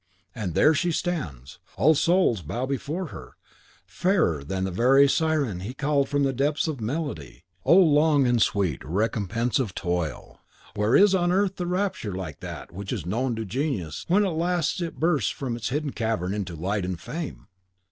And there she stands, as all souls bow before her, fairer than the very Siren he had called from the deeps of melody. Oh, long and sweet recompense of toil! Where is on earth the rapture like that which is known to genius when at last it bursts from its hidden cavern into light and fame!